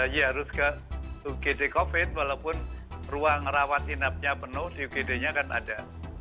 ya harus ke ugd covid walaupun ruang rawat inapnya penuh ugd nya kan ada